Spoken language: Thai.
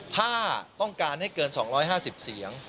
ถ้าต้องการให้เกิน๒๕๐เสียง